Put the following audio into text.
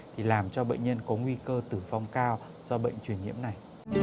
thì làm cho bệnh nhân có nguy cơ tử vong cao do bệnh truyền nhiễm này